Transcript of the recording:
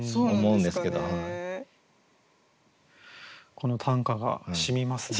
この短歌がしみますね。